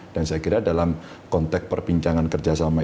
dan saya kira dalam konteks perbincangan kerjasama ini